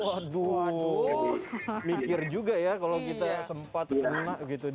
waduh mikir juga ya kalau kita sempat kena gitu